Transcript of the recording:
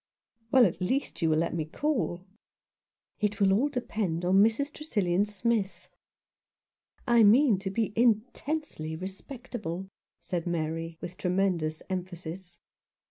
" Well, at least you will let me call." " It will all depend on Mrs. Tresillian Smith. 82 Some One who loved Him. 1 mean to be intensely respectable," said Mary, with tremendous emphasis.